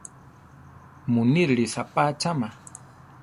Munírere saʼpá achama.